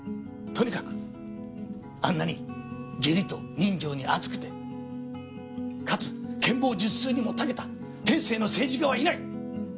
とにかくあんなに義理と人情にあつくてかつ権謀術数にも長けた天性の政治家はいない。